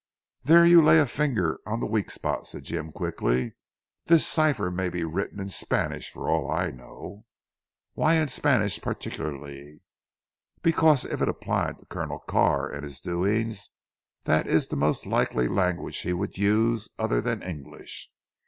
"There you lay a finger on the weak spot," said Jim quickly, "This cipher may be written in Spanish for all I know." "Why in Spanish particularly?" "Because if it applied to Colonel Carr and his doings, that is the most likely language he would use, other than English.